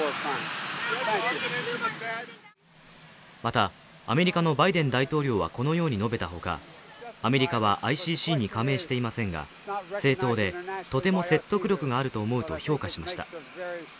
また、アメリカのバイデン大統領はこのように述べたほか、アメリカはＩＣＣに加盟していませんが、正当で、とても説得力があると思うと評価しました。